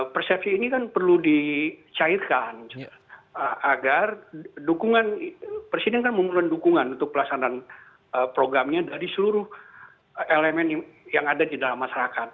persepsi ini kan perlu dicairkan agar dukungan presiden kan memberikan dukungan untuk pelaksanaan programnya dari seluruh elemen yang ada di dalam masyarakat